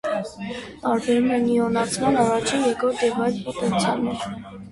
Տարբերում են իոնացման առաջին, երկրորդ և այլ պոտենցիալներ։